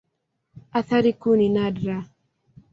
Athari kuu ni nadra.